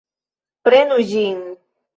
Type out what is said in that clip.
Prenu ĝin!